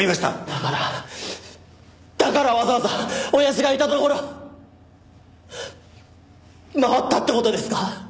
だからだからわざわざ親父がいた所回ったって事ですか？